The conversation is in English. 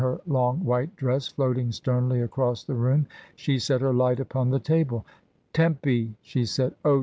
her long white dress floating sternly across the room. She set her light upon the table. "Tempyl" she said. 0h!